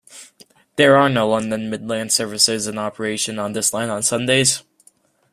There are no London Midland services in operation on this line on Sundays.